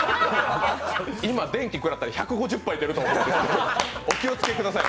今、電気蔵ったら１５０杯いけると思うのでお気をつけください。